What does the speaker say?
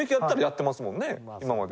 今まで。